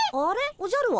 おじゃるは？